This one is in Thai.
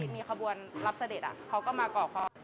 มีขบวนรับเสด็จเขาก็มาก่อคอ